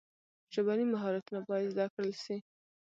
ژبني مهارتونه باید زده کړل سي.